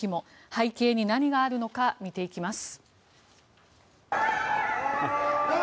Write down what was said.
背景に何があるのか見ていきます。